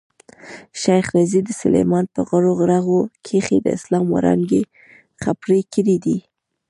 شېخ رضي د سلېمان په غرو رغو کښي د اسلام وړانګي خپرې کړي دي.